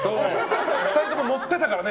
２人とも乗ってたからね。